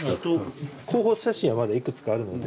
候補写真はまだいくつかあるので。